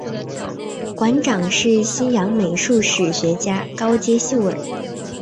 馆长是西洋美术史学家高阶秀尔。